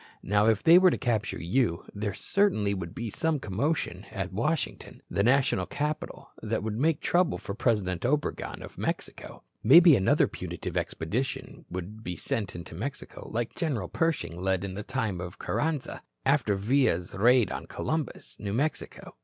Now, if they were to capture you, there certainly would be some commotion at Washington, the national capital, that would make trouble for President Obregon of Mexico. Maybe another punitive expedition would be sent into Mexico, like General Pershing led in the time of Carranza, after Villa's raid on Columbus, New Mexico.